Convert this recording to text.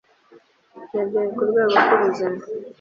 yabyaye kurwego rwubuzima